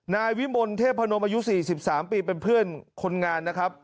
นายวิมลเทพนมอายุ๔๓ปีเป็นเพื่อนคนงานนะครับ